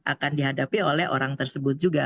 akan dihadapi oleh orang tersebut juga